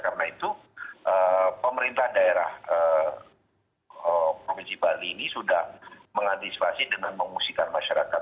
karena itu pemerintah daerah provinsi bali ini sudah mengantisipasi dengan mengusikan masyarakat